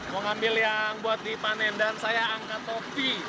mau ngambil yang buat dipanen dan saya angkat topi